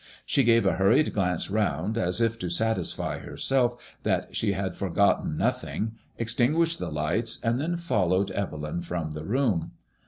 She gave a hurried glance round, as if to satisfy herself that she had for gotten nothing, extinguished the lights, and then followed Evelyn from the room.